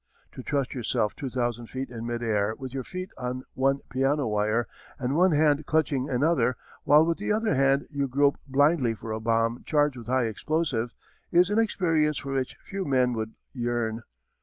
To trust yourself two thousand feet in mid air with your feet on one piano wire, and one hand clutching another, while with the other hand you grope blindly for a bomb charged with high explosive, is an experience for which few men would yearn.